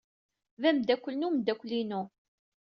D ameddakel n umeddakel-inu.